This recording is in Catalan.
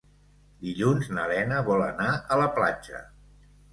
Dilluns na Lena vol anar a la platja.